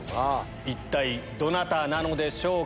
一体どなたなのでしょうか？